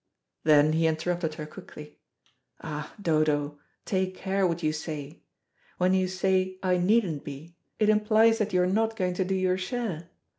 Then he interrupted her quickly. "Ah, Dodo, take care what you say. When you say I needn't be, it implies that you are not going to do your share.